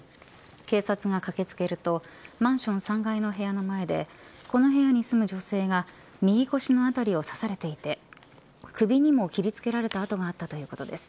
警察が駆け付けるとマンション３階の部屋の前でこの辺に住む女性が右腰のあたりを刺されていて首にも切り付けられた痕があったということです。